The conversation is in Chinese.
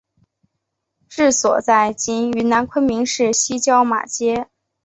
治所在今云南昆明市西郊马街。